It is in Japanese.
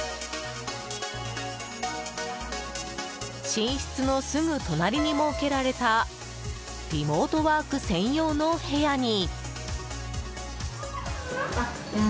寝室のすぐ隣に設けられたリモートワーク専用の部屋に。